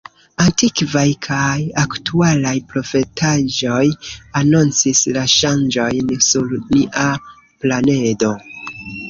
Antikvaj kaj aktualaj profetaĵoj anoncis la ŝanĝojn sur nia planedo.